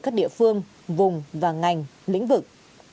các địa phương vùng và ngành lĩnh vực